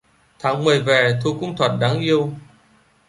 Tháng mười về thu cũng thật đáng yêu